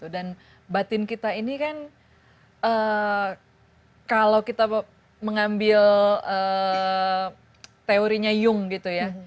dan batin kita ini kan kalau kita mengambil teorinya jung gitu ya